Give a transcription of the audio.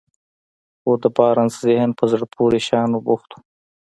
خو د بارنس ذهن په زړه پورې شيانو بوخت و.